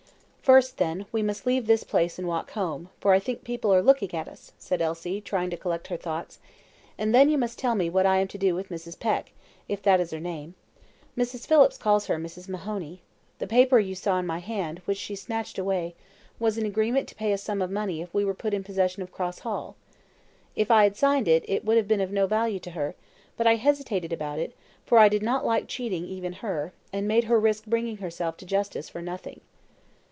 "First, then, we must leave this place and walk home, for I think people are looking at us," said Elsie, trying to collect her thoughts; "and then you must tell me what I am to do with Mrs. Peck, if that is her name. Mrs. Phillips calls her Mrs. Mahoney. The paper you saw in my hand, which she snatched away, was an agreement to pay a sum of money if we were put in possession of Cross Hall. If I had signed it, it would have been of no value to her; but I hesitated about it, for I did not like cheating even her, and making her risk bringing herself to justice for nothing."